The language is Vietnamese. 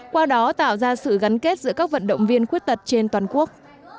qua đó tạo ra sự gắn kết giữa các vận động viên khuyết tật trên toàn quốc